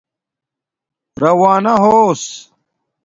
راوانہ ہوس